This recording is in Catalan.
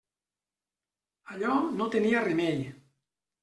Allò no tenia remei.